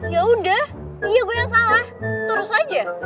ya udah iya gue yang salah terus aja